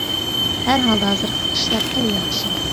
ھەر ھالدا ھازىر ئىشلار خېلى ياخشى.